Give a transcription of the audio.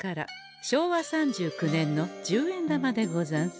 昭和３９年の十円玉でござんす。